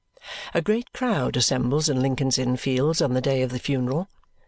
A great crowd assembles in Lincoln's Inn Fields on the day of the funeral.